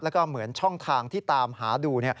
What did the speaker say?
แล้วก็เหมือนช่องทางที่ตามหาดู